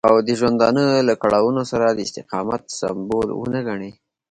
او د ژوندانه له کړاوونو سره د استقامت سمبول ونه ګڼي.